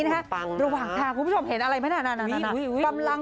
ระหว่างทางคุณผู้ชมเห็นอะไรไหมน่ะกำลัง